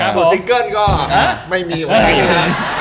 ปิดซิงเกิลก็ไม่มีวันนี้นะครับ